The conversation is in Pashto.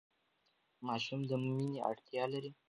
ماشومان د مینې اړتیا لري.